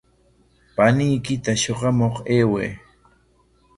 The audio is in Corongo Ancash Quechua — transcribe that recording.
Paniykita shuqamuq ayway.